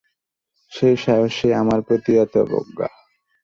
সেই সাহসেই আমার প্রতি এত অবজ্ঞা!